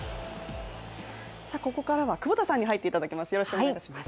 ここからは久保田さんに入っていただきます。